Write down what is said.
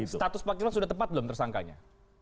status pak kilo sudah tepat belum tersangkanya